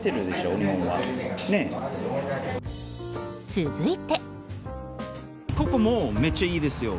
続いて。